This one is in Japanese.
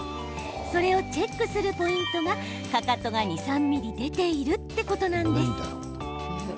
それをチェックするポイントがかかとが２、３ｍｍ出ているということなんです。